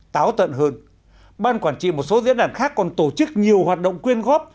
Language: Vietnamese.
táo tận hơn ban quản trị một số diễn đàn khác còn tổ chức nhiều hoạt động quyên góp